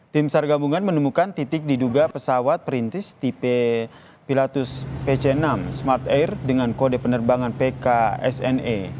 tim sar gabungan menemukan titik diduga pesawat perintis tipe pilatus pc enam smart air dengan kode penerbangan pksne